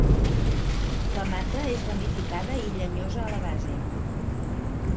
La mata és ramificada i llenyosa a la base.